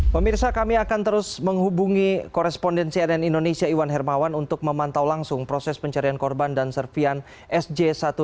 pemirsa kami akan terus menghubungi korespondensi ann indonesia iwan hermawan untuk memantau langsung proses pencarian korban dan serpian sj satu ratus sepuluh